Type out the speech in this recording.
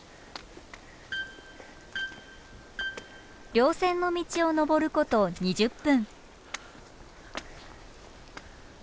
稜線の道を登ること２０分。